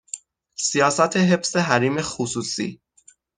سیاست حفظ حریم خصوصی